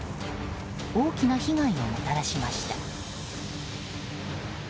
大きな被害をもたらしました。